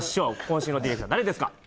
今週のディレクター誰ですか？